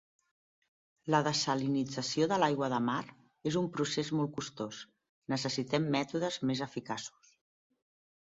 La dessalinització de l'aigua de mar és un procés molt costós. Necessitem mètodes més eficaços.